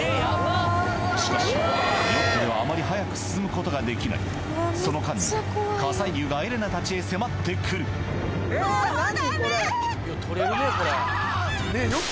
しかしヨットではあまり速く進むことができないその間にも火砕流がエレナたちへ迫って来るもうダメ！